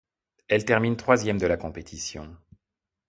Elles terminent troisième de la compétition.